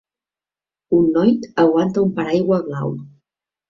Un noi aguanta un paraigua blau.